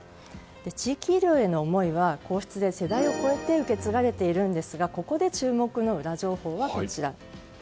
地域医療への思いは皇室で世代を超えて受け継がれているんですがここで注目のウラ情報がこちら。